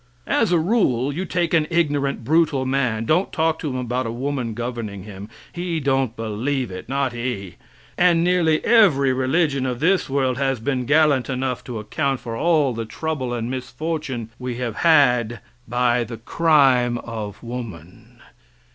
As a rule, you take an ignorant, brutal man don't talk to him about a woman governing him, he don't believe it not he; and nearly every religion of this world has been gallant enough to account for all the trouble and misfortune we have had by the crime of woman.